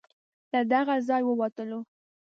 له دغه ځای ووتلو.